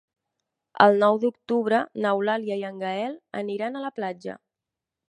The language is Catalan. El nou d'octubre n'Eulàlia i en Gaël aniran a la platja.